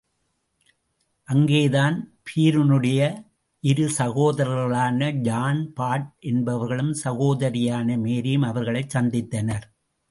அங்கேதான்பிரீனுடைய இரு சகோதரர்களான ஜான், பாட் என்பவர்களும் சகோதரியான மேரியும் அவர்களைச் சந்தித்தனர்.